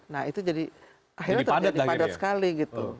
nah itu jadi akhirnya terjadi padat sekali gitu